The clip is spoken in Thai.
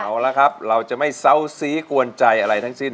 เอาละครับเราจะไม่เศร้าซีกวนใจอะไรทั้งสิ้น